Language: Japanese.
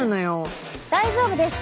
大丈夫です。